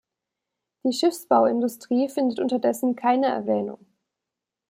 Die Schiffsbauindustrie findet unterdessen keine Erwähnung...